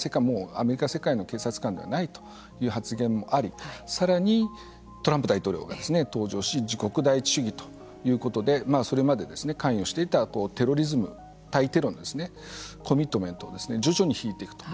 アメリカ、世界の警察官ではないという発言もありさらにトランプ大統領が登場し自国第一主義ということでそれまで関与していたテロリズム対テロのコミットメントを徐々に引いていくと。